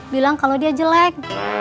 bilang kalau dia jelek